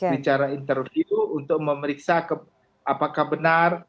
bicara interview untuk memeriksa apakah benar